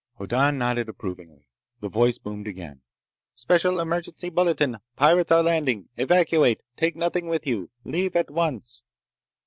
Hoddan nodded approvingly. The voice boomed again: "Special Emergency Bulletin! Pirates are landing ... evacuate ... take nothing with you.... Leave at once...."